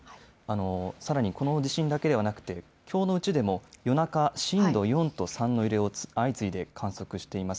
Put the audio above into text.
さらにこの地震だけではなくきょうのうちでも夜中、震度４と３の揺れを相次いで観測しています。